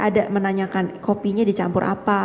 ada menanyakan kopinya dicampur apa